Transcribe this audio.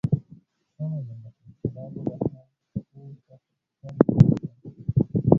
سمه ده مشره؛ سبا به د احمد کور ته پر سترګو ورشم.